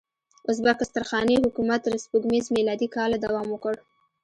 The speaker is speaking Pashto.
ازبک استرخاني حکومت تر سپوږمیز میلادي کاله دوام وکړ.